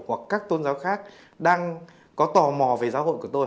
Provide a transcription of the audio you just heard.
hoặc các tôn giáo khác đang có tò mò về giáo hội của tôi